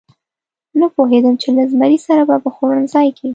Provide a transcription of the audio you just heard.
نه پوهېدم چې له زمري سره به په خوړنځای کې.